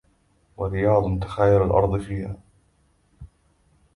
ورياض تخايل الأرض فيها